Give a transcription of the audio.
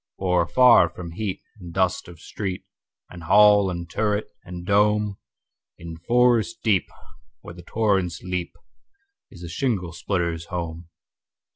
For afar from heat and dust of street, And hall and turret, and dome, In forest deep, where the torrents leap, Is the shingle splitter's home.